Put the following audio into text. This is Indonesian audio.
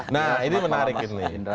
nah ini menarik ini